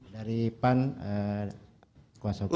dari pan eh kuasa hukumnya